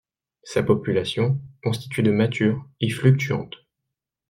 Sa population, constituée de matures, est fluctuante.